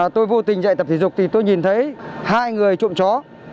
tôi vô tình dạy tập thể dục thì tôi nhìn thấy hai người trộm chó